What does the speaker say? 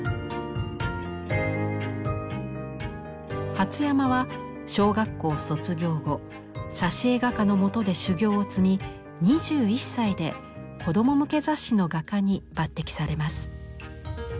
初山は小学校卒業後挿絵画家のもとで修業を積み２１歳で子供向け雑誌の画家に抜てきされます。